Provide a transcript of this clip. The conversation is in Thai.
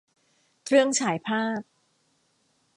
เครื่องฉายภาพ